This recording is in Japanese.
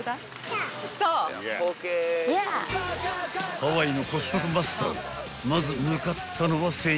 ［ハワイのコストコマスターがまず向かったのは］